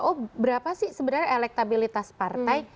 oh berapa sih sebenarnya elektabilitas partai